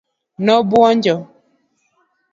nobwonjo